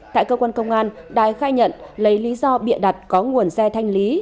tại cơ quan công an đài khai nhận lấy lý do bịa đặt có nguồn xe thanh lý